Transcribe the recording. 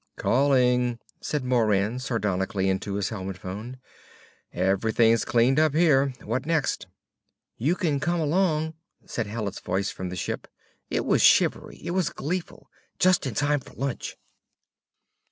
"Calling," said Moran sardonically into his helmet phone. "Everything's cleaned up here. What next?" "You can come along," said Hallet's voice from the ship. It was shivery. It was gleeful. "_Just in time for lunch!